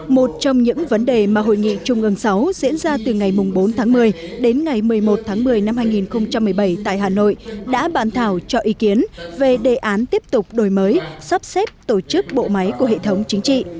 một trong những vấn đề mà hội nghị trung ương sáu diễn ra từ ngày bốn tháng một mươi đến ngày một mươi một tháng một mươi năm hai nghìn một mươi bảy tại hà nội đã bàn thảo cho ý kiến về đề án tiếp tục đổi mới sắp xếp tổ chức bộ máy của hệ thống chính trị